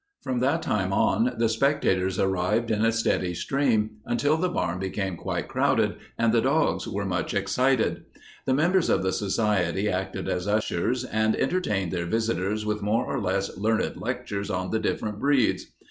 From that time on the spectators arrived in a steady stream, until the barn became quite crowded and the dogs were much excited. The members of the society acted as ushers and entertained their visitors with more or less learned lectures on the different breeds.